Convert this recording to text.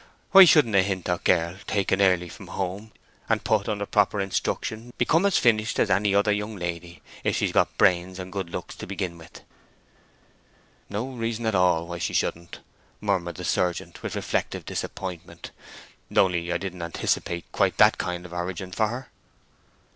Why shouldn't a Hintock girl, taken early from home, and put under proper instruction, become as finished as any other young lady, if she's got brains and good looks to begin with?" "No reason at all why she shouldn't," murmured the surgeon, with reflective disappointment. "Only I didn't anticipate quite that kind of origin for her."